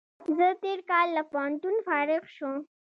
زه تېر کال له پوهنتون فارغ شوم